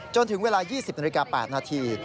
จนถึงเวลา๒๐นาฬิกา๘นาที